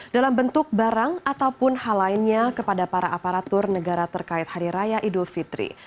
dalam bentuk barang ataupun hal lainnya kepada para aparatur negara terkait hari raya idul fitri